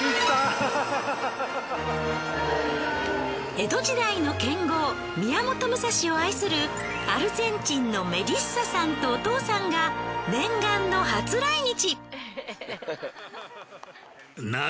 江戸時代の剣豪宮本武蔵を愛するアルゼンチンのメリッサさんとお父さんが念願の初来日。